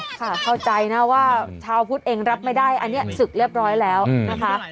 เข้าใจนะว่าชาวพุทธเองรับไม่ได้อันนี้ศึกเรียบร้อยแล้วนะคะ